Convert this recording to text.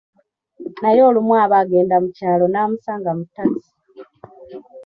Naye olumu aba agenda mu kyalo n'amusanga mu takisi.